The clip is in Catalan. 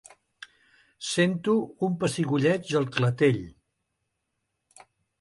Sento un pessigolleig al clatell.